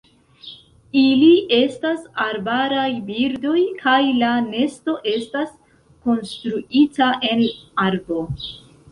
Ili estas arbaraj birdoj, kaj la nesto estas konstruita en arbo.